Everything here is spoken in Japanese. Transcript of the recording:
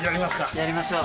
やりましょう。